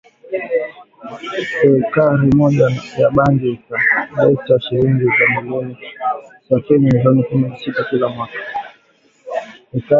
Ekari moja ya bangi italeta shilingi za Kenya milioni kumi na sita kila mwaka